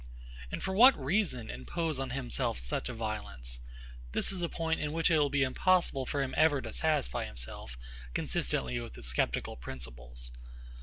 And for what reason impose on himself such a violence? This is a point in which it will be impossible for him ever to satisfy himself, consistently with his sceptical principles.